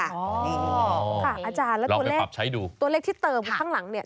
อ๋ออะไรจะปรับใช้ดูตัวเลขที่เติมข้างหลังเนี่ย